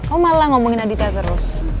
kok malah ngomongin aditya terus